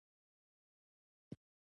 ګل جانې: بد خرڅي مې وکړل، خو ښه شبني کالي دي.